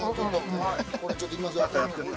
これちょっといきますよ